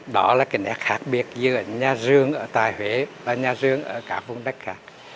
đó là cái nét khác biệt giữa nhà rường tại huế và nhà rường ở cả vùng đất khác